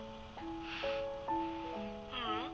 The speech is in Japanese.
ううん。